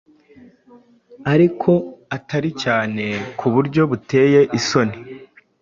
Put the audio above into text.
ariko atari cyane ku buryo buteye isoni.